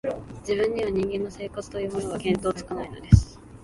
自分には、人間の生活というものが、見当つかないのです